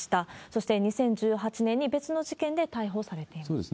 そして、２０１８年に別の事件で逮捕されています。